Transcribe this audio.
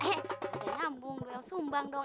eh ada nyambung doyang sumbang dong